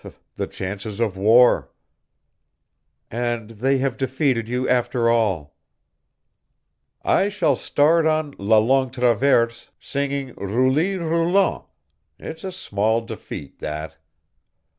"The chances of war." "And they have defeated you after all." "I shall start on la Longue Traverse singing 'Rouli roulant.' It's a small defeat, that."